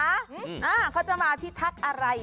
เขาจะมาพิทักษ์อะไร